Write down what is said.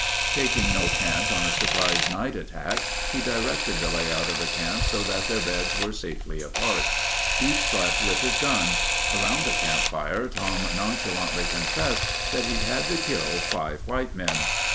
Taking no chance on a surprise night attack, he directed the layout of the camp so that their beds were safely apart. Each slept with his gun. Around the camp fire, Tom nonchalantly confessed that he'd had to kill five white men.